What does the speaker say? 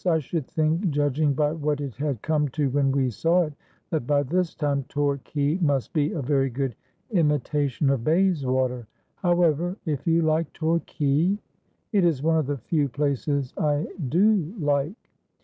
I should think, judging by what it had come to when we saw it, that by this time Torquay must be a very good imitation of Bayswater. However, if you like Torquay '' It is one of the few places I do like.'